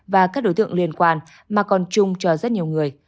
và các đối tượng liên quan mà còn chung cho rất nhiều người